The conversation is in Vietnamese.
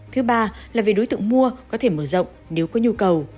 thứ ba là về đối tượng mua có thể mở rộng nếu có nhu cầu